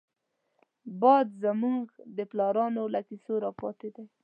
باد زمونږ د پلارانو له کيسو راپاتې دی